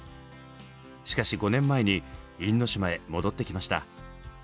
しかし５年前に因島へ戻ってきました。